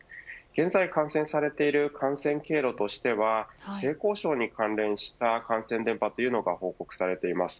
現在、感染されている感染経路としては性交渉に関連した感染伝播というのが報告されています。